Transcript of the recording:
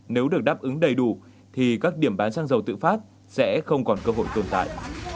nếu được đáp ứng đầy đủ thì các điểm bán xăng dầu tự phát sẽ không còn cơ hội tồn tại